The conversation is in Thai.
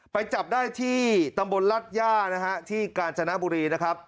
ไปจับได้ที่ตำบลรัฐย่านะฮะที่กาญจนบุรีนะครับ